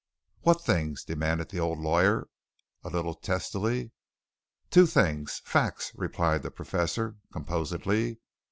"What things?" demanded the old lawyer, a little testily. "Two things facts," replied the Professor, composedly.